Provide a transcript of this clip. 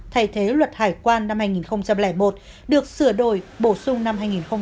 điển hình là luật hải quan năm hai nghìn một mươi bốn thay thế luật hải quan năm hai nghìn một được sửa đổi bổ sung năm hai nghìn năm